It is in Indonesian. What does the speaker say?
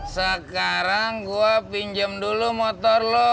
sekarang gue pinjam dulu motor lo